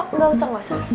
oh gak usah gak usah